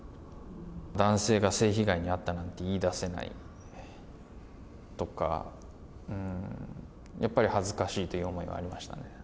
男性が性被害に遭ったなんて言い出せないとか、やっぱり恥ずかしいという思いがありましたね。